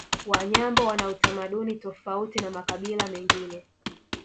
Wanyambo wana utamaduni tofauti na makabila mengine